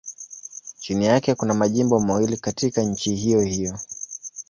Chini yake kuna majimbo mawili katika nchi hiyohiyo.